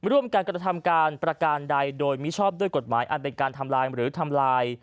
ร่วมการกระทำการประการใดโดยมิชอบด้วยกฎหมายอันเป็นการทำลายหรือทำลาย